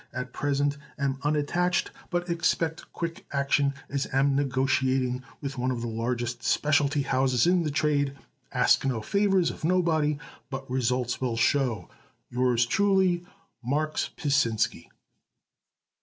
_ At present am unnattached but expect quick action as am neggotiating with one of the largest speciality houses in the trade. Ask no favors of nobody but results will show. Yours truly MARKS PASINSKY.